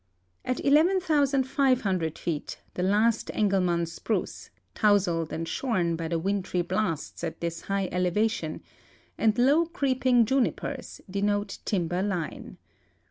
At 11,500 feet the last Engelmann spruce, tousled and shorn by the wintry blasts at this high elevation, and low creeping jumpers, denote timber line.